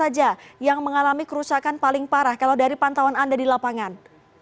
apa saja yang mengalami kerusakan paling parah kalau dari pantauan anda di lapangan